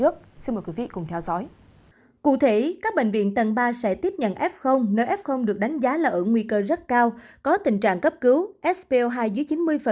cụ thể các bệnh viện tầng ba sẽ tiếp nhận f nf được đánh giá là ở nguy cơ rất cao có tình trạng cấp cứu sp hai dưới chín mươi